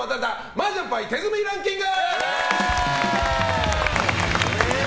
麻雀牌手積みランキング！